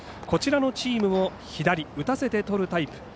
こちらのチームも左、打たせてとるタイプ